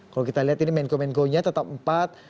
kalau kita lihat ini menko menkonya tetap empat